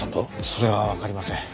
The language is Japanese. それはわかりません。